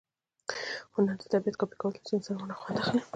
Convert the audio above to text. هنر د طبیعت کاپي کول دي، چي انسانان ورنه خوند واخلي.